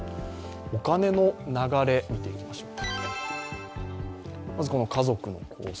お金の流れを見ていきましょう。